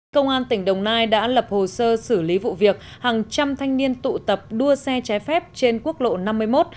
công an tỉnh đồng nai đã lập hồ sơ xử lý vụ việc hàng trăm thanh niên tụ tập đua xe trái phép trên quốc lộ năm mươi một